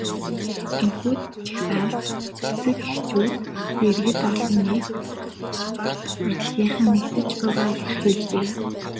Энэхүү жагсаалд эцэг эхчүүд, иргэд олон нийт, спорт, урлагийнхан нэгдэж буйгаа илэрхийлжээ.